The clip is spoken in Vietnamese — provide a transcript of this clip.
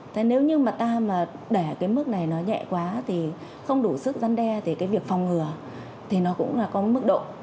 thế nếu như mà ta mà để cái mức này nó nhẹ quá thì không đủ sức gian đe thì cái việc phòng ngừa thì nó cũng là có cái mức độ